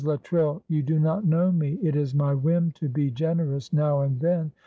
Luttrell, you do not know me; it is my whim to be generous now and then.